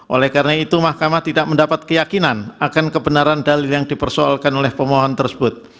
oleh karena itu mahkamah tidak mendapat keyakinan akan kebenaran dalil yang dipersoalkan oleh pemohon tersebut